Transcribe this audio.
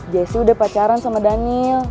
jessi udah pacaran sama daniel